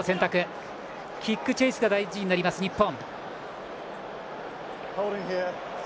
キックチェイスが大事になる日本。